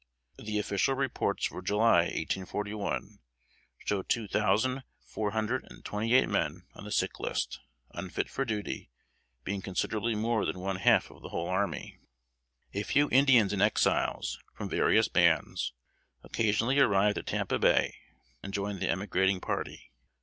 The official reports for July, 1841, showed two thousand four hundred and twenty eight men on the sick list, unfit for duty, being considerably more than one half of the whole army. A few Indians and Exiles, from various bands, occasionally arrived at Tampa Bay, and joined the emigrating party.